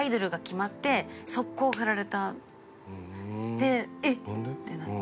で「えっ！」ってなって。